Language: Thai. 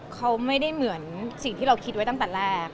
เขาไม่ได้เหมือนสิ่งที่เราคิดไว้ตั้งแต่แรก